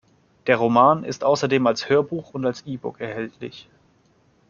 Der Roman ist außerdem als Hörbuch und als E-Book erhältlich.